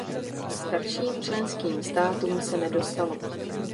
Starším členským státům se nedostalo.